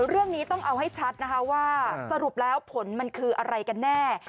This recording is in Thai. เรื่องนี้ต้องเอาให้ชัดนะคะว่าสรุปแล้วผลมันคืออะไรกันแน่